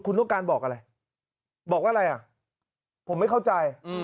คุณต้องการบอกอะไรบอกว่าอะไรอ่ะผมไม่เข้าใจ